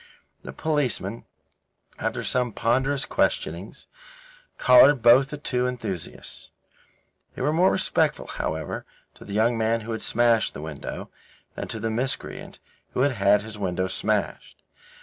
The policemen, after some ponderous questionings, collared both the two enthusiasts. They were more respectful, however, to the young man who had smashed the window, than to the miscreant who had had his window smashed.